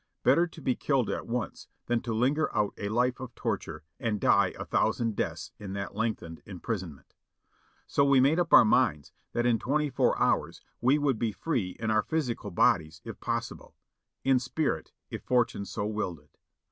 Better be killed at once than to linger out a life of torture and die a thousand deaths in lengthened imprisonment. So we made up our minds 488 JOHNNY RKB AND BILI.Y YANK that in twenty four hours we would be free in our physical bodies, if possible; in spirit, if fortune so willed it."